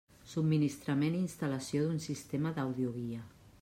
Subministrament i instal·lació d'un sistema d'àudio guia.